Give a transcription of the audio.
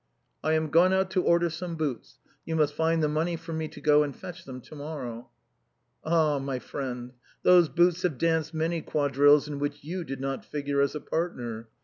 " I am going out to order some boots ; 3^ou must find the money for me to go and fetch them to morrow." Ah ! my friend, those boots have danced many quadrilles in which you did not figure as a partner.